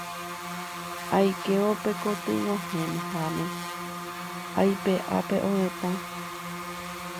Aikévo pe kotyg̃uahẽháme aipe'a pe ovetã.